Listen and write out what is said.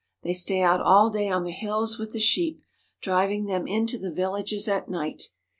They stay out all day on the hills with the sheep, driving them into the villages at night.